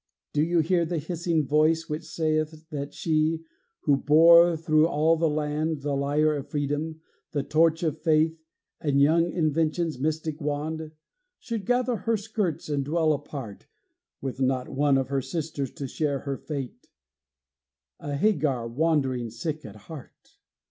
Do you hear the hissing voice, which saith That she who bore through all the land The lyre of Freedom, the torch of Faith, And young Invention's mystic wand Should gather her skirts and dwell apart, With not one of her sisters to share her fate, A Hagar, wandering sick at heart?